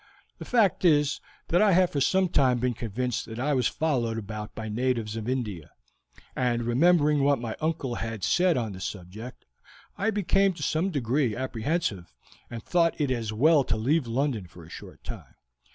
The fact is, that I have for some time been convinced that I was followed about by natives of India, and remembering what my uncle had said on the subject, I became to some degree apprehensive, and thought it as well to leave London for a short time.